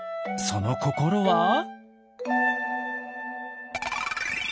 その心は？